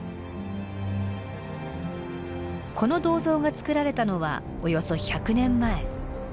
この銅像が作られたのはおよそ１００年前。